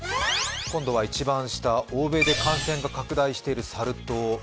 今度は一番下欧米で感染が拡大しているサル痘